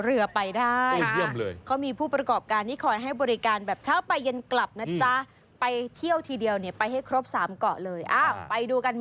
เขาเปิดแล้วค่ะคุณ